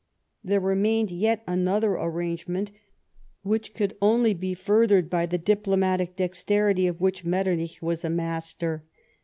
Tliere remained yet another arrangement which could only be furthered by the diplomatic dexterity of which Metternich was a master.